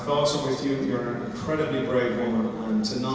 dan untuk tidak menolak fans anda